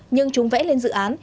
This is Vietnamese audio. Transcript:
nhưng chúng vẽ lên dự án